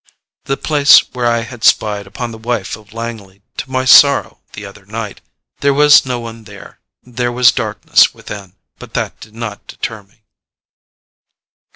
The place where I had spied upon the wife of Langley to my sorrow the other night. There was no one there; there was darkness within, but that did not deter me.